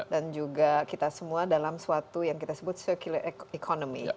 dan juga kita semua dalam suatu yang kita sebut circular economy